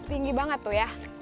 tinggi banget tuh ya